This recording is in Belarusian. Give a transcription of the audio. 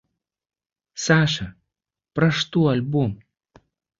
Саша, пра што альбом?